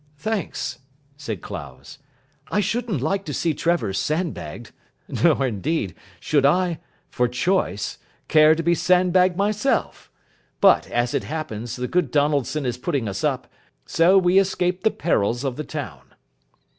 "Thanks," said Clowes. "I shouldn't like to see Trevor sand bagged. Nor indeed, should I for choice care to be sand bagged myself. But, as it happens, the good Donaldson is putting us up, so we escape the perils of the town.